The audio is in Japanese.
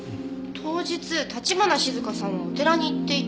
当日橘静香さんはお寺に行っていた？